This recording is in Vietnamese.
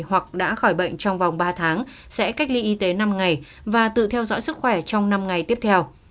hoặc đã khỏi bệnh trong vòng ba tháng sẽ cách ly y tế năm ngày và tự theo dõi sức khỏe trong năm ngày tiếp theo